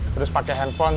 terus pakai handphone